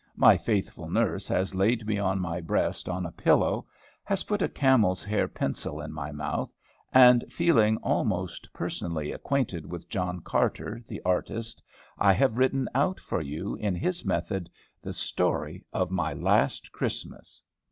My faithful nurse has laid me on my breast on a pillow, has put a camel's hair pencil in my mouth, and, feeling almost personally acquainted with John Carter, the artist, I have written out for you, in his method, the story of my last Christmas.